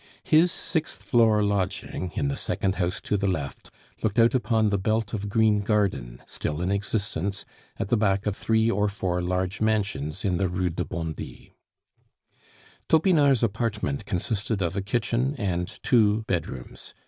His sixth floor lodging, in the second house to the left, looked out upon the belt of green garden, still in existence, at the back of three or four large mansions in the Rue de Bondy. Topinard's apartment consisted of a kitchen and two bedrooms.